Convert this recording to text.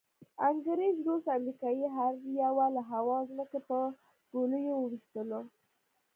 انګریز، روس، امریکې هر یوه له هوا او ځمکې په ګولیو وویشتلو.